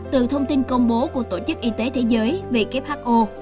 từ thông tin công bố của tổ chức y tế thế giới who